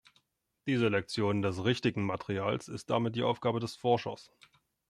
Die Selektion des „richtigen“ Materials ist damit die Aufgabe des Forschers.